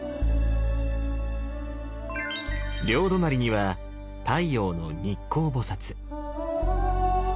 両隣には太陽の日光菩。